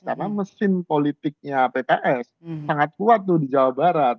karena mesin politiknya pks sangat kuat tuh di jawa barat